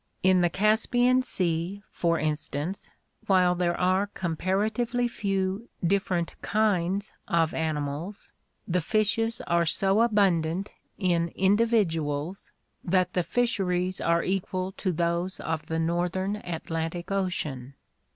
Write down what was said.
In the Caspian Sea, for instance, while there are comparatively few different kinds of animals, the fishes are so abundant in individuals that the fisheries are equal to those of the northern Atlantic Ocean.